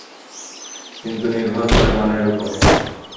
কিন্তু নির্ভর করে মানের ওপর।